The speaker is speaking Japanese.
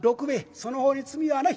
その方に罪はない。